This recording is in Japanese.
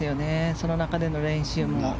その中での練習も。